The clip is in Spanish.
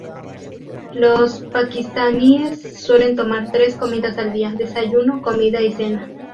Los pakistaníes suelen tomar tres comidas al día: desayuno, comida y cena.